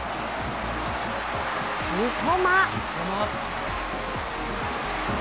三笘。